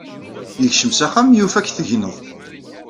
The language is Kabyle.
Yekcem s axxam yaf-ik tegneḍ.